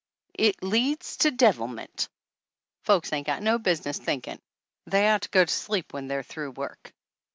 It leads to devilment! Folks ain't got no business thinkin' they ought to go to sleep when they're through work!"